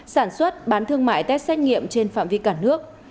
sản xuất bán thương mại test xét nghiệm trên phạm vi cả nước